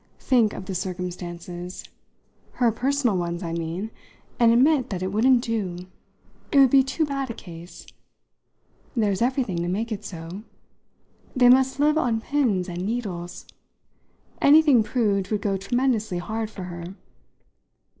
Think of the circumstances her personal ones, I mean, and admit that it wouldn't do. It would be too bad a case. There's everything to make it so. They must live on pins and needles. Anything proved would go tremendously hard for her."